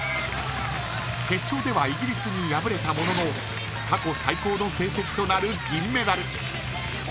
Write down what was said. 決勝ではイギリスに敗れたものの過去最高の成績となる銀メダル。